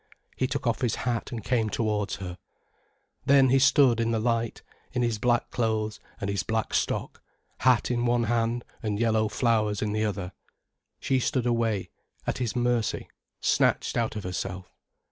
He took off his hat, and came towards her. Then he stood in the light, in his black clothes and his black stock, hat in one hand and yellow flowers in the other. She stood away, at his mercy, snatched out of herself.